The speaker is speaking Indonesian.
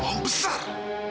lah orang besar